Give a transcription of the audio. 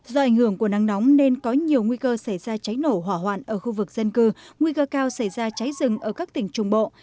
do ảnh hưởng của nắng nóng nên có nhiều nguy cơ xảy ra cháy nổ hỏa hoạn ở khu vực dân cư nguy cơ cao xảy ra cháy rừng ở các tỉnh trung bộ